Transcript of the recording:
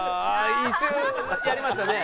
椅子やりましたね。